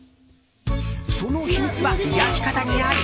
その秘密は焼き方にあり。